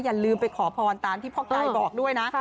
อย่าลืมไปขอพรตามที่พ่อกายบอกด้วยนะ